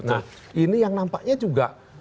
nah ini yang nampaknya juga